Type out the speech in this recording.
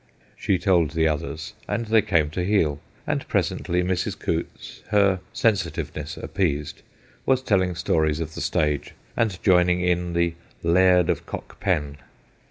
She told the others and they came to heel, and presently Mrs. Coutts, her sensitiveness appeased, was telling stories of the stage, and joining in the * Laird of Cockpen.'